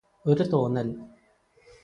ഒരു തോന്നല്